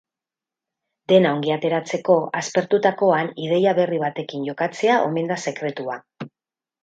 Dena ongi ateratzeko, aspertutakoan ideia berri batekin jokatzea omen da sekretua.